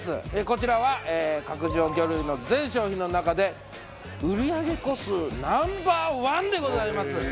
こちらは角上魚類の全商品の中で売り上げ個数Ｎｏ．１でございます。